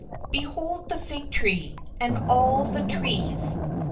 . .EHOLD the fig tree B and all the trees.